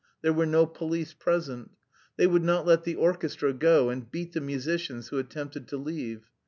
There were no police present. They would not let the orchestra go, and beat the musicians who attempted to leave.